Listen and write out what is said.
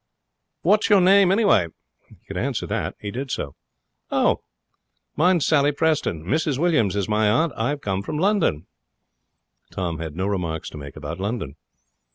'What's your name, anyway?' He could answer that. He did so. 'Oh! Mine's Sally Preston. Mrs Williams is my aunt. I've come from London.' Tom had no remarks to make about London.